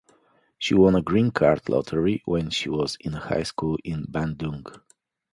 She won a green card lottery when she was in high school in Bandung.